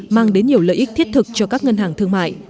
mang đến nhiều lợi ích thiết thực cho các ngân hàng thương mại